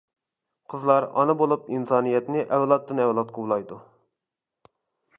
قىزلار ئانا بولۇپ ئىنسانىيەتنى ئەۋلادتىن-ئەۋلادقا ئۇلايدۇ.